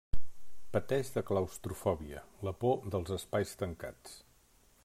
Pateix de claustrofòbia, la por dels espais tancats.